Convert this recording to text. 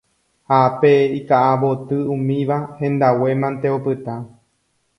ha pe ika'avoty umíva, hendague mante opyta